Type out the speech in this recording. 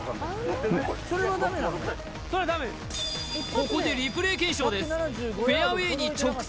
ここでリプレー検証です